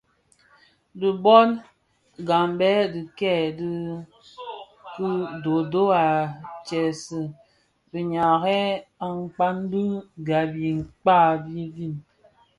Bi bhon nghabèn dikèè di kiboboo a tsèzii diňarèn akpaň bi gba i kpak dhitin.